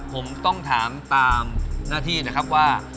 ผมต้องถามตามหน้าที่นะครับว่า